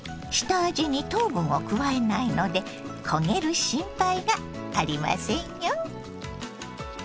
下味に糖分を加えないので焦げる心配がありませんよ。